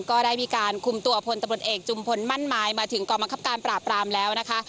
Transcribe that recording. ก็ได้มีการคุมตัวพลตบนเอกจุมพลมั่นไม้มาถึงกรมคับการปราบปรามแล้วนะคะ